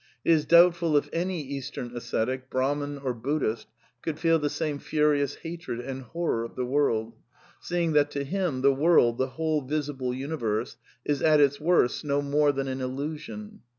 It is doubtful if any Eastern ascetic, Brahman or Buddhist, could feel the same furious hatred and horror of the world ; seeing that to him the world, the whole visible universe, is at its orse no more than an illusion.